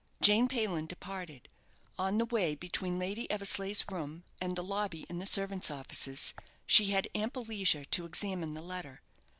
Jane Payland departed. On the way between Lady Eversleigh's room and the lobby in the servants' offices, she had ample leisure to examine the letter.